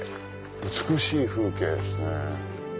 美しい風景ですね。